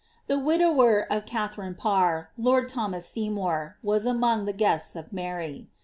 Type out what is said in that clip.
The widower o( Katharine Parr, lord Thomas Seymour, was •inong the guests of Mary.